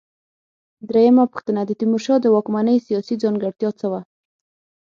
درېمه پوښتنه: د تیمورشاه د واکمنۍ سیاسي ځانګړتیا څه وه؟